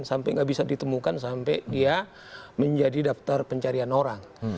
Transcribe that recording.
sampai nggak bisa ditemukan sampai dia menjadi daftar pencarian orang